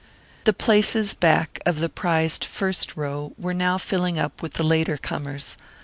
The places back of the prized first row were now filling up with the later comers.